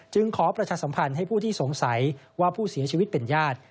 ขอประชาสัมพันธ์ให้ผู้ที่สงสัยว่าผู้เสียชีวิตเป็นญาติ